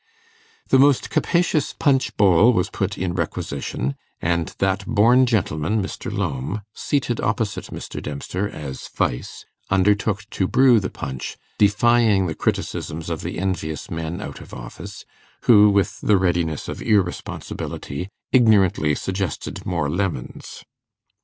The most capacious punch bowl was put in requisition; and that born gentleman, Mr. Lowme, seated opposite Mr. Dempster as 'Vice', undertook to brew the punch, defying the criticisms of the envious men out of office, who with the readiness of irresponsibility, ignorantly suggested more lemons.